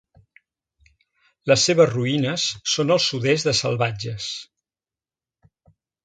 Les seves ruïnes són al sud-est de Salvatges.